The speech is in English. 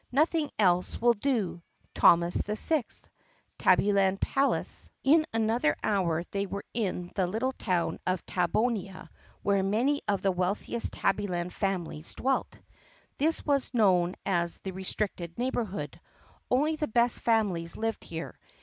Nothing else will do. Thomas VI Tabbyland Palace. THE PUSSYCAT PRINCESS 89 In another hour they were in the little town of Tabbonia where many of the wealthiest Tabbyland families dwelt. This was what was known as "the restricted neighborhood." Only the best families lived here.